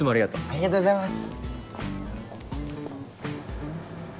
ありがとうございます。